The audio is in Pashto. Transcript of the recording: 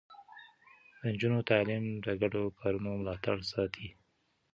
د نجونو تعليم د ګډو کارونو ملاتړ ساتي.